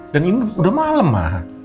dan ini udah malem ma